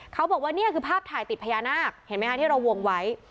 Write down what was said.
เขาบอกว่านี่คือภาพถ่ายติดพญานาคเห็นไหมคะที่เราวงไว้